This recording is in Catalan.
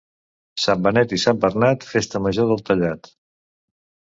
Sant Benet i Sant Bernat, festa major del Tallat.